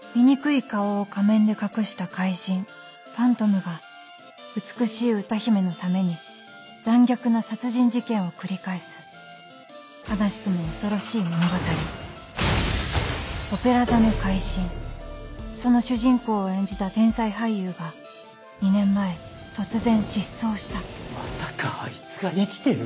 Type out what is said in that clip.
醜い顔を仮面で隠した怪人ファントムが美しい歌姫のために残虐な殺人事件を繰り返す悲しくも恐ろしい物語『オペラ座の怪人』その主人公を演じた天才俳優が２年前突然失踪したまさかあいつが生きてる？